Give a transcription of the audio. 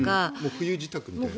冬支度みたいな。